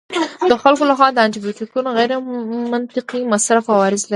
د خلکو لخوا د انټي بیوټیکو غیرمنطقي مصرف عوارض لري.